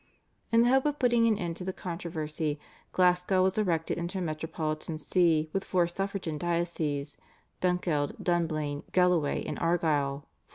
In the hope of putting an end to the controversy Glasgow was erected into a metropolitan See with four suffragan dioceses, Dunkeld, Dunblane, Galloway and Argyll (1492).